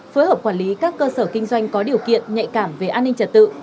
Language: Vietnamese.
phối hợp quản lý các cơ sở kinh doanh có điều kiện nhạy cảm về an ninh trật tự